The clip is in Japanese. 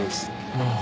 ああ。